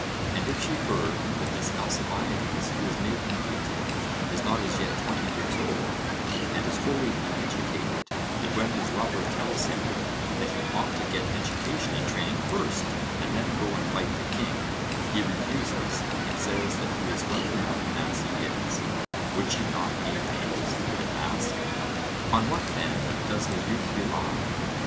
And if she heard that this Alcibiades who is making the attempt is not as yet twenty years old, and is wholly uneducated, and when his lover tells him that he ought to get education and training first, and then go and fight the king, he refuses, and says that he is well enough as he is, would she not be amazed, and ask 'On what, then, does the youth rely?'